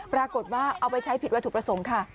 ปรากฏว่าเอาไปใช้ผิดวัตถุประสงค์ค่ะ